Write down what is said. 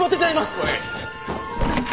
お願いします。